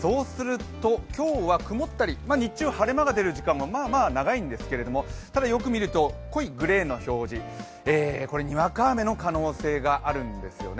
今日は曇ったり、日中は晴れ間が出る時間帯もまあまあ長いんですけれどもよく見ると、濃いグレーの表示これ、にわか雨の可能性があるんですよね。